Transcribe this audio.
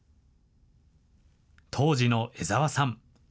当時の江澤さん。